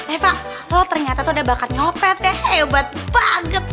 eh pak lo ternyata tuh udah bakat nyopet ya hebat banget